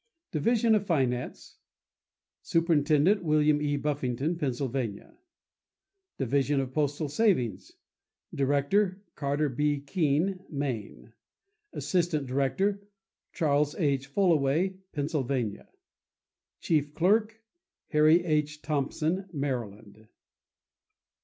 Division of Finance.— Superintendent.—William E. Buffington, Pennsylvania. Division of Postal Savings.— Director.—Carter B. Keene, Maine. Assistant Director.—Charles H. Fullaway, Pennsylvania. Chief Clerk.—Harry H. Thompson, Maryland.